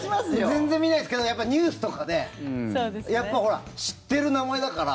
全然見ないですけどニュースとかでやっぱり、ほら知ってる名前だから。